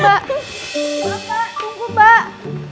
mbak mbak tunggu mbak